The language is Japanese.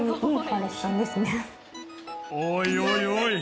おいおいおい